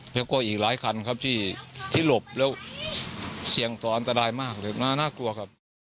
แล้วก็อีกหลายคันครับที่หลบแล้วเสี่ยงต่ออันตรายมากเลยน่ากลัวครับ